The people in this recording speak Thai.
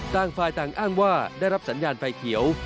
ต่างฝ่ายต่างอ้างว่าได้รับสัญญาณไฟเขียว